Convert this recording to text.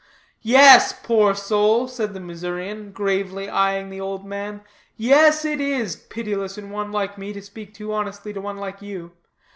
"Yes, poor soul," said the Missourian, gravely eying the old man "yes, it is pitiless in one like me to speak too honestly to one like you.